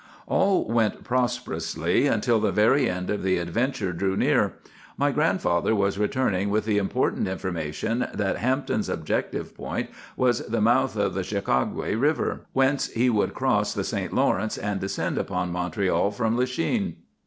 "All went prosperously until the very end of the adventure drew near. My grandfather was returning with the important information that Hampton's objective point was the mouth of the Chateauguay River, whence he would cross the St. Lawrence, and descend upon Montreal from Lachine.